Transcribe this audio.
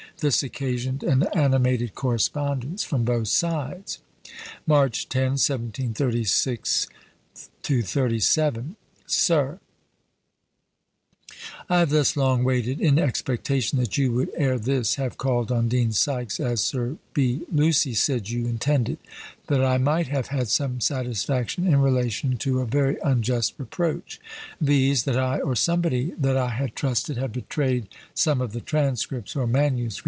This occasioned an animated correspondence from both sides. SIR, March 10, 1736 37. I have thus long waited in expectation that you would ere this have called on Dean Sykes, as Sir B. Lucy said you intended, that I might have had some satisfaction in relation to a very unjust reproach viz., that I, or somebody that I had trusted, had betrayed some of the transcripts, or MSS.